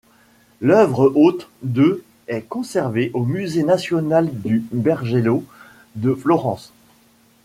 L'œuvre haute de est conservée au Musée national du Bargello de Florence.